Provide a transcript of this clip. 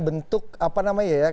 bentuk apa namanya ya